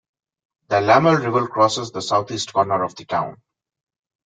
The Lamoille River crosses the southeast corner of the town.